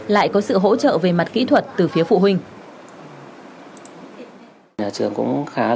lại có sự hỗ trợ về mặt kỹ thuật từ phía phụ huynh